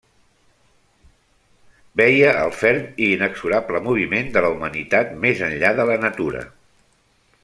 Veia el ferm i inexorable moviment de la humanitat més enllà de la natura.